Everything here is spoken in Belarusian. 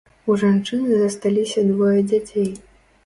У жанчыны засталіся двое дзяцей.